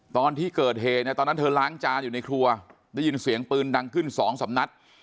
ตอนที่เกิดเหตุเนี่ยตอนนั้นเธอล้างจานอยู่ในครัวได้ยินเสียงปืนดังขึ้นสองสามนัด